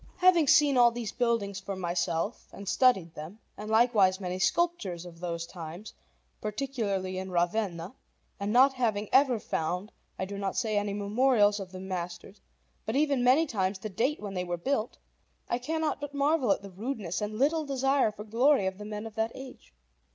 Having seen all these buildings for myself and studied them, and likewise many sculptures of those times, particularly in Ravenna, and not having ever found, I do not say any memorials of the masters, but even many times the date when they were built, I cannot but marvel at the rudeness and little desire for glory of the men of that age.